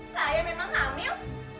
saya memang hamil